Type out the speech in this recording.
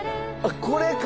これか！